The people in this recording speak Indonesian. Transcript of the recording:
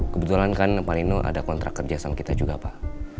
kebetulan kan pak nino ada kontrak kerja sama kita juga pak